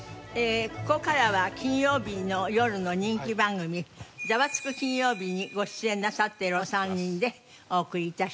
ここからは金曜日の夜の人気番組『ザワつく！金曜日』にご出演なさってるお三人でお送り致し。